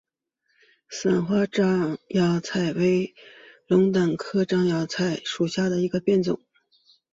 伞花獐牙菜为龙胆科獐牙菜属下的一个变种。